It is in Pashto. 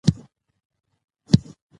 د ښځې موافقه د خلع لپاره ضروري ده.